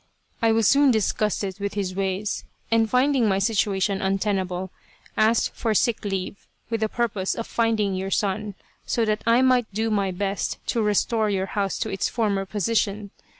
I was soon disgusted with his ways, and finding my situation untenable, asked for sick leave, with the purpose of rinding your son so that I might do my best to restore your house to its former position.